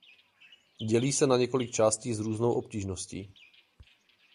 Dělí se na několik částí s různou obtížností.